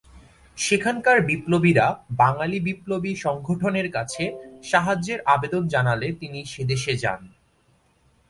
সেখানকার বিপ্লবীরা বাঙালি বিপ্লবী সংগঠনের কাছে সাহায্যের আবেদন জানালে তিনি সেদেশে যান।